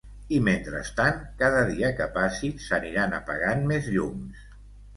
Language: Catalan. I, mentrestant, cada dia que passi s’aniran apagant més llums.